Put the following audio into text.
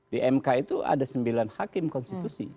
di mk itu ada sembilan hakim konstitusi